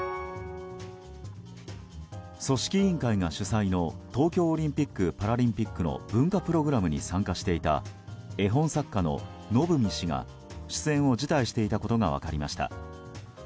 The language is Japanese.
組織委員会が主催の東京オリンピック・パラリンピックの文化プログラムに参加していた絵本作家の、のぶみ氏が出演を辞退していたことが分かりました。